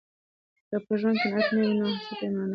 که په ژوند کې قناعت نه وي، نو هر څه بې مانا دي.